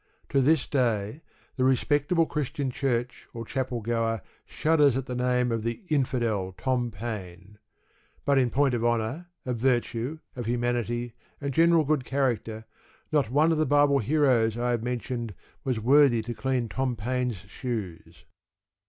To this day the respectable Christian Church or chapel goer shudders at the name of the "infidel," Tom Paine. But in point of honour, of virtue, of humanity, and general good character, not one of the Bible heroes I have mentioned was worthy to clean Tom Paine's shoes.